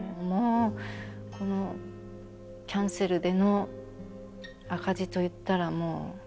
もうこのキャンセルでの赤字といったらもう。